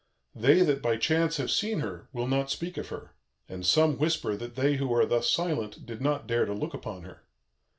They that by chance have seen her will not speak of her and some whisper that they who are thus silent did not dare to look upon her.